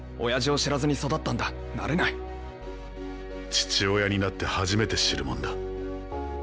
父親になって初めて知るもんだ。